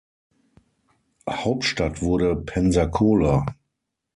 Hauptstadt wurde Pensacola.